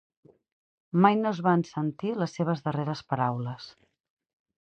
Mai no es van sentir les seves darreres paraules.